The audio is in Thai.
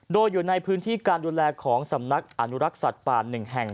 โดยอยู่ในพื้นที่การดูแลของสำนักอนุรักษ์สัตว์ป่า๑แห่ง